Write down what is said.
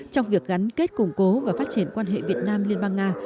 trong việc gắn kết củng cố và phát triển quan hệ việt nam liên bang nga